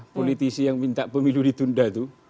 politisi yang minta pemilu ditunda itu